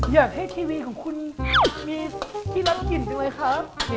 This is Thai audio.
อยากให้ทีวีของคุณมีที่รับกลิ่นด้วยครับ